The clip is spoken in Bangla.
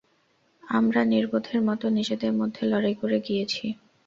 আমরা নির্বোধের মতো নিজেদের মধ্যে লড়াই করে গিয়েছি।